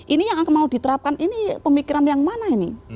ini yang akan mau diterapkan ini pemikiran yang mana ini